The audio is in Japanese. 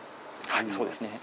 はいそうですね。